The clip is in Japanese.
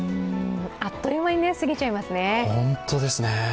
あっという間に過ぎちゃいますね。